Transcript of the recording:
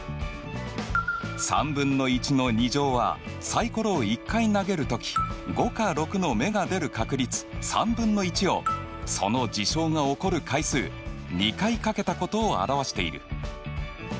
３分の１の２乗はサイコロを１回投げるとき５か６の目が出る確率３分の１をその事象が起こる回数２回掛けたことを表している。